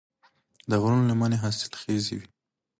د غرونو لمنې حاصلخیزې وي.